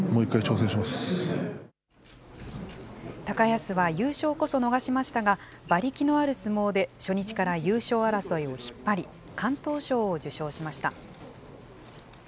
高安は優勝こそ逃しましたが、馬力のある相撲で、初日から優勝争いを引っ張り、敢闘賞を受賞しました。